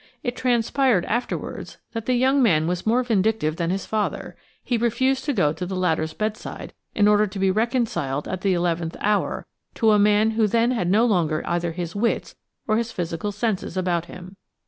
It transpired afterwards that the young man was more vindictive than his father; he refused to go to the latter's bedside in order to be reconciled at the eleventh hour to a man who then had no longer either his wits or his physical senses about him.